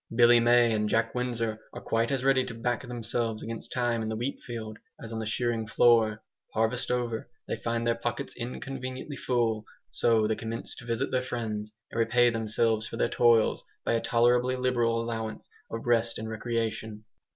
Billy May and Jack Windsor are quite as ready to back themselves against time in the wheat field as on the shearing floor. Harvest over, they find their pockets inconveniently full, so they commence to visit their friends and repay themselves for their toils by a tolerably liberal allowance of rest and recreation.